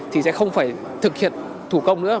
thì sẽ không phải thực hiện thủ công nữa